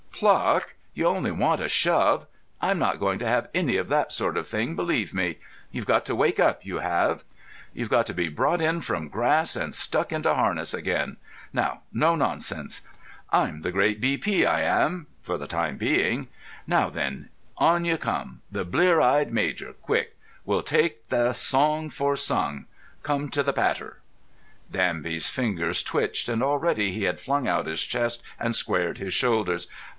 Pluck! You only want a shove. I'm not going to have any of that sort of thing, believe me. You've got to wake up, you have. You've got to be brought in from grass and stuck into harness again. Now, no nonsense. I'm the great B. P., I am, for the time being. Now, then, on you come. The blear eyed major, quick. We'll take the song for sung. Come to the patter!" Danby's fingers twitched, and already he had flung out his chest and squared his shoulders.